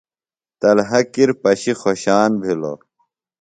طلحہ کِر پشیۡ خوشان بِھلوۡ۔